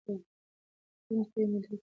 تر پرون پورې مې دا کیسه نه وه اورېدلې.